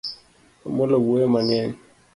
Omolo wuoyo mang'eny.